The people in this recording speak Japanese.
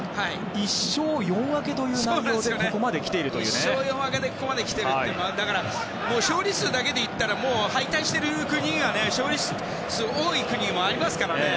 １勝４分けでここまで来てるっていうのはだから、勝利数だけでいったらもう敗退している国のほうが勝利数多い国もありますからね。